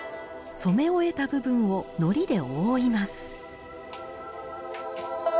染め終えた部分を糊で覆います